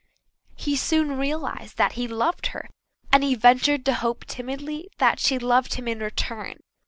He soon realized that he loved her, and he ventured to hope timidly that she loved him in return.